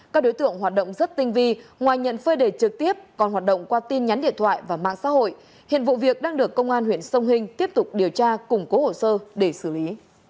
các đối tượng hoạt động rất tinh vi ngoài nhận phơi đề trực tiếp còn hoạt động qua tin nhắn điện thoại và mạng xã hội hiện vụ việc đang được công an huyện sông hình tiếp tục điều tra củng cố hồ sơ để xử lý